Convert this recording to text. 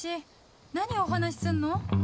何お話しすんの？